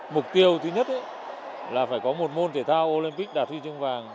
mục tiêu thứ nhất là phải có một môn thể thao olympic đạt huy chương vàng